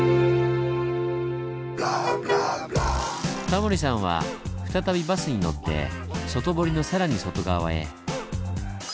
タモリさんは再びバスに乗って外堀の更に外側へ。